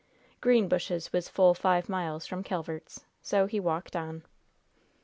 Greenbushes was full five miles from Calvert's, so he walked on.